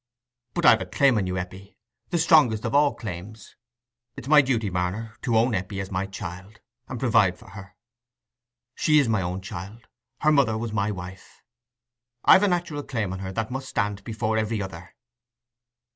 "But I've a claim on you, Eppie—the strongest of all claims. It's my duty, Marner, to own Eppie as my child, and provide for her. She is my own child—her mother was my wife. I've a natural claim on her that must stand before every other."